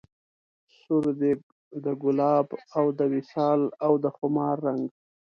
سور دی د ګلاب او د وصال او د خمار رنګ